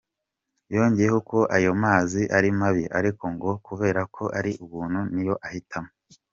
Yongeyeho ko ayo mazi ari mabi ariko ngo kubera ko ari ubuntu niyo ahitamo.